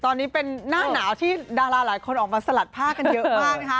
ตอนนี้เป็นหน้าหนาวที่ดาราหลายคนออกมาสลัดผ้ากันเยอะมากนะคะ